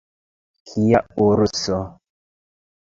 Kia urso!